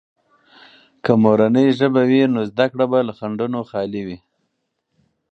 که مورنۍ ژبه وي، نو زده کړه به له خنډونو خالي وي.